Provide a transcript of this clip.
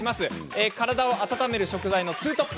体を温める食材のツートップ